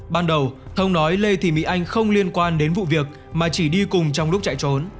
ban đầu thông nói lê thị mỹ anh không liên quan đến vụ việc mà chỉ đi cùng trong lúc chạy trốn